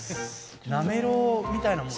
なめろうみたいなもの。